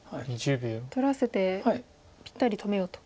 取らせてぴったり止めようと。